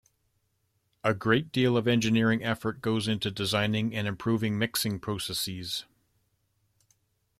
A great deal of engineering effort goes into designing and improving mixing processes.